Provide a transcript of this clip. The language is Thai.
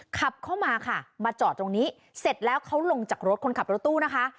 ขับเข้ามาค่ะมาจอดตรงนี้เสร็จแล้วเขาลงจากรถคนขับรถตู้นะคะ